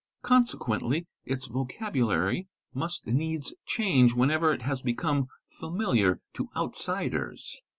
Consequently its . vocabulary must needs change whenever it has become familiar to : outsiders."